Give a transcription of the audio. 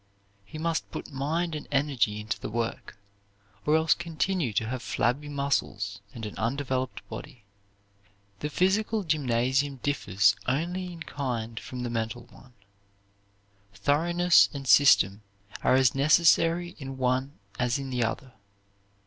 He must put mind and energy into the work, or else continue to have flabby muscles and an undeveloped body. [Illustration: Julia Ward Howe] The physical gymnasium differs only in kind from the mental one. Thoroughness and system are as necessary in one as in the other.